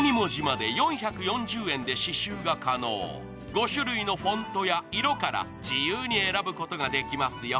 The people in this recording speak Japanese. ５種類のフォントや色から自由に選ぶことができますよ。